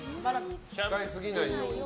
使いすぎないように。